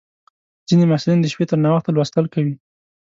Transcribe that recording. ځینې محصلین د شپې تر ناوخته لوستل کوي.